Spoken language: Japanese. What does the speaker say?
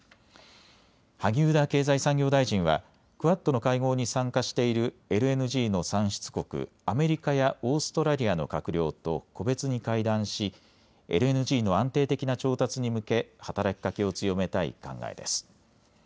萩生田経済産業大臣はクアッドの会合に参加しているＬＮＧの産出国アメリカやオーストラリアの閣僚と個別に会談しＬＮＧの安定的な調達に向け働きかけを強めたい考えです。